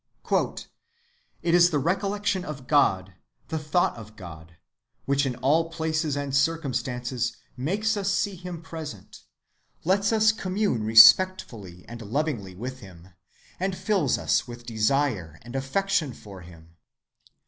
"It is the recollection of God, the thought of God, which in all places and circumstances makes us see him present, lets us commune respectfully and lovingly with him, and fills us with desire and affection for him....